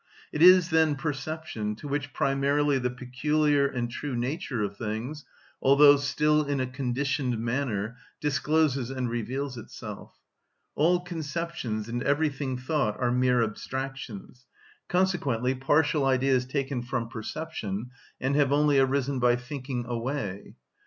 It is, then, perception to which primarily the peculiar and true nature of things, although still in a conditioned manner, discloses and reveals itself. All conceptions and everything thought are mere abstractions, consequently partial ideas taken from perception, and have only arisen by thinking away.